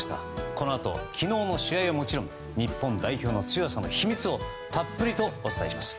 このあと昨日の試合はもちろん日本代表の強さの秘密をたっぷりとお伝えします。